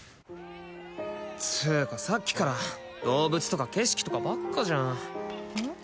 つーかさっきから動物とか景色とかばっかじゃんうん？